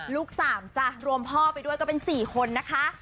ลูก๓จ้ะรวมพ่อไปด้วยก็เป็น๔คนนะคะ